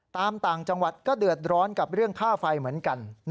ต่างจังหวัดก็เดือดร้อนกับเรื่องค่าไฟเหมือนกัน